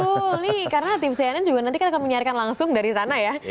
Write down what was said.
betul nih karena tim cnn juga nanti akan menyiarkan langsung dari sana ya